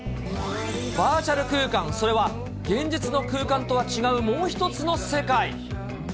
バーチャル空間、それは現実の空間とは違うもう１つの世界。